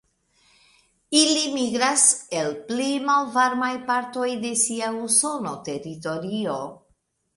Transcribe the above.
Ili migras el pli malvarmaj partoj de sia usona teritorio.